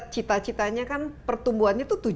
cita citanya kan pertumbuhannya itu